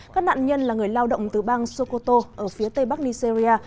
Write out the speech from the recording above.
các nạn nhân là người lao động từ bang sokoto ở phía tây bắc nigeria